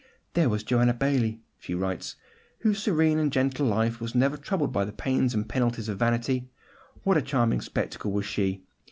"There was Joanna Baillie," she writes, "whose serene and gentle life was never troubled by the pains and penalties of vanity; what a charming spectacle was she!